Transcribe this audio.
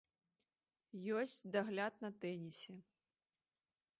Ёсць дагляд на тэнісе.